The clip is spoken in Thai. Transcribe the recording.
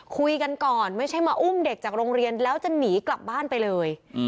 คุยกันก่อนไม่ใช่มาอุ้มเด็กจากโรงเรียนแล้วจะหนีกลับบ้านไปเลย